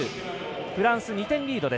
フランス２点リード。